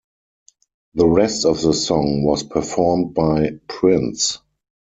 The rest of the song was performed by Prince.